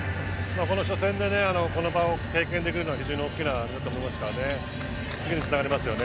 この初戦でこの場を経験できるのは非常に大きなものだと思いますからね。